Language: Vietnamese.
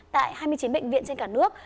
tại hai mươi chín bệnh viện trên cả nước